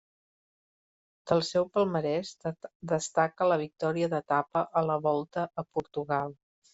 Del seu palmarès destaca la victòria d'etapa a la Volta a Portugal.